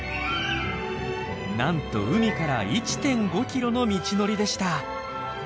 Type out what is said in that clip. なんと海から１．５ｋｍの道のりでした。